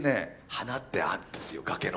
花ってあるんですよ崖の。